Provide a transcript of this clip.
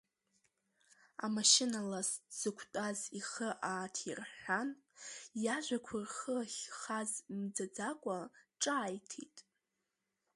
Амашьына лас дзықәтәаз ихы ааҭирҳәҳәан, иажәақәа рхы ахьхаз мӡаӡакәа ҿааиҭит…